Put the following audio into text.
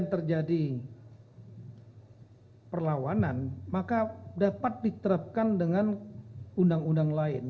jika terjadi perlawanan maka dapat diterapkan dengan undang undang lain